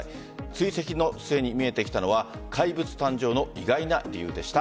追跡の末に見えてきたのは怪物誕生の意外な理由でした。